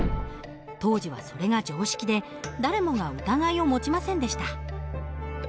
当時はそれが常識で誰もが疑いを持ちませんでした。